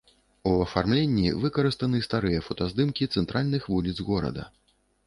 У афармленні выкарыстаны старыя фотаздымкі цэнтральных вуліц горада.